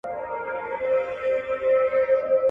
ليکوالانو د ټولني لپاره نوي کتابونه وليکل.